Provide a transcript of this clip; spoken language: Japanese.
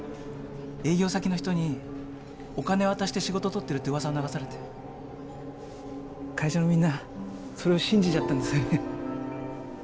営業先の人にお金渡して仕事とってるってうわさを流されて会社のみんなそれを信じちゃったんですよね。